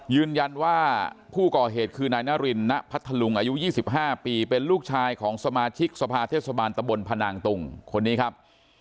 ยืนยันว่าผู้ก่อเหตุคือนายนารินณพัทธลุงอายุ๒๕ปีเป็นลูกชายของสมาชิกสภาเทศบาลตะบนพนางตุงคนนี้ครับ